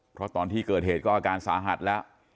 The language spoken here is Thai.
เพราะตอนที่เกิดเหตุก็อาการสาหัสแล้ว